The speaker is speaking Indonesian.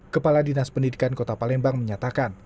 kepala dinas pendidikan kota palembang menyatakan